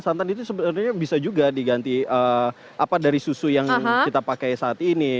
santan itu sebenarnya bisa juga diganti dari susu yang kita pakai saat ini